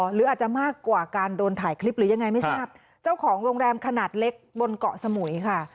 หรืออาจจะมากกว่าการโดนถ่ายคลิปหรือยังไงไม่ทราบเจ้าของโรงแรมขนาดเล็กบนเกาะสมุยค่ะ